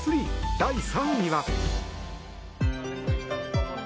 第３位は。